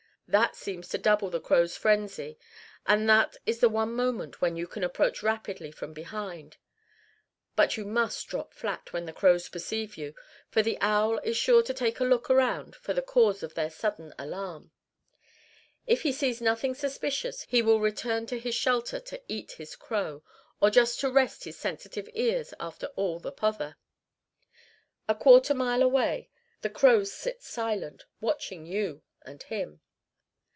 That seems to double the crows' frenzy and that is the one moment when you can approach rapidly from behind. But you must drop flat when the crows perceive you; for the owl is sure to take a look around for the cause of their sudden alarm. If he sees nothing suspicious he will return to his shelter to eat his crow, or just to rest his sensitive ears after all the pother. A quarter mile away the crows sit silent, watching you and him.